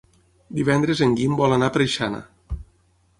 Divendres en Guim vol anar a Preixana.